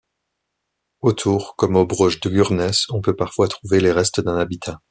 Autour, comme au Broch de Gurness, on peut parfois trouver les restes d'un habitat.